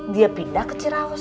dia pindah ke ciraus